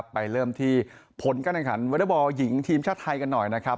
ไปเริ่มที่ผลการแข่งขันวอเตอร์บอลหญิงทีมชาติไทยกันหน่อยนะครับ